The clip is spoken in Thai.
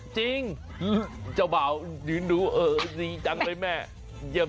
จริงเจ้าบ่าวดูนี่จังไหมแม่เยี่ยม